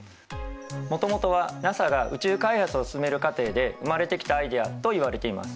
もともとはＮＡＳＡが宇宙開発を進める過程で生まれてきたアイデアといわれています。